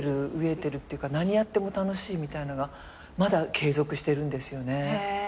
飢えてるっていうか何やっても楽しいみたいなのがまだ継続してるんですよね。